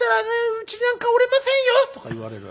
家なんかおれませんよ」とか言われるわけ。